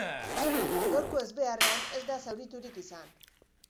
Gaurko ezbeharrean ez da zauriturik izan.